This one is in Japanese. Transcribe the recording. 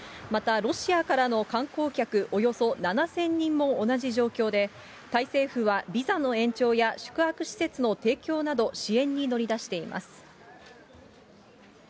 また、ロシアからの観光客およそ７０００人も同じ状況で、タイ政府は、ビザの延長や、宿泊施設の提供など、支援に乗り出しています。